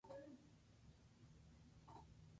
La primera crítica en señalar esto fue Virginia Woolf.